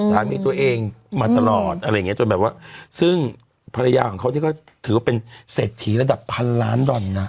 สามีตัวเองมาตลอดอะไรอย่างเงี้จนแบบว่าซึ่งภรรยาของเขานี่ก็ถือว่าเป็นเศรษฐีระดับพันล้านดอนนะ